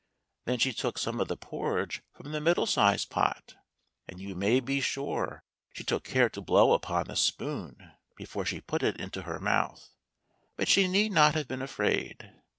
Then she took some of the porridge from the middle sized pot ; and you may be sure she took care to blow upon the spoon before she put it into her mouth. But she need not have been afraid.